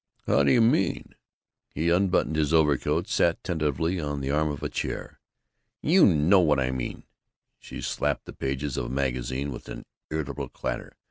"How do you mean?" He unbuttoned his overcoat, sat tentatively on the arm of a chair. "You know how I mean!" She slapped the pages of a magazine with an irritable clatter.